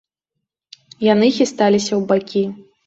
Яны хісталіся ў бакі.